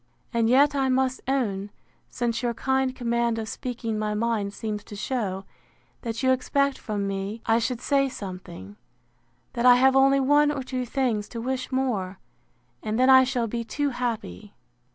And yet I must own, since your kind command of speaking my mind seems to shew, that you expect from me I should say something; that I have only one or two things to wish more, and then I shall be too happy.